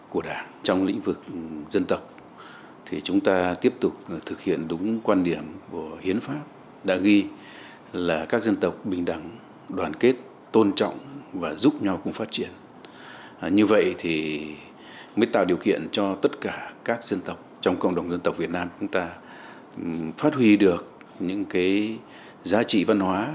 các dân tộc trong cộng đồng dân tộc việt nam chúng ta phát huy được những cái giá trị văn hóa